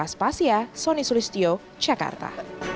saya sonny solistio jakarta